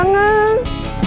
uangnya udah penuh